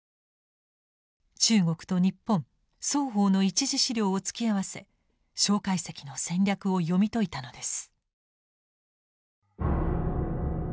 中国と日本双方の一次資料を突き合わせ介石の戦略を読み解いたのです。